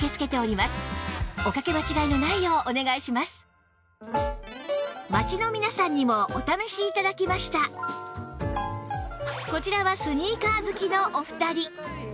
さらに街の皆さんにもお試し頂きましたこちらはスニーカー好きのお二人